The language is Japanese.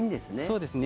そうですね。